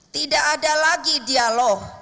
tidak ada lagi dialog